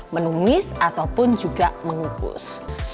menumis ataupun juga mengukus